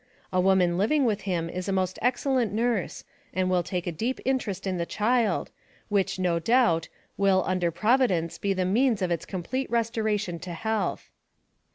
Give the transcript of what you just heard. A woman living with him is a most excellent nurse and will take a deep interest in the child, which, no doubt, will under Providence be the means of its complete restoration to health.